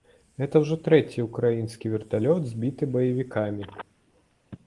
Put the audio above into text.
Гэта ўжо трэці ўкраінскі верталёт, збіты баевікамі.